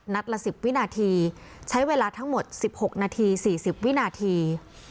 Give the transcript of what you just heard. นัดละสิบวินาทีใช้เวลาทั้งหมดสิบหกนาทีสี่สิบวินาที